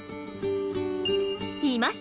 いました！